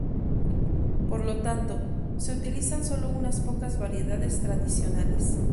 Por lo tanto, se utilizan sólo unas pocas variedades tradicionales.